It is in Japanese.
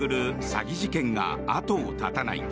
詐欺事件が後を絶たない。